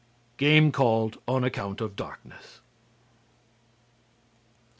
(Game called on account of darkness.)